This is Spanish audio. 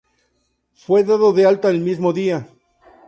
Fue dado de alta el mismo día.